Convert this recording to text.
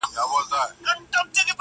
زه چی هرڅومره زړېږم دغه فکر مي زیاتیږي؛